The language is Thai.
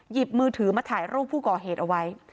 หยิบมือถือมาถ่ายรูปผู้ก่อเหตุเอาไว้